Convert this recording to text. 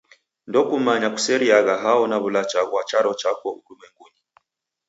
Ndokumanyagha kuseriagha hao na w'ulacha ghwa charo chako w'urumwengunyi.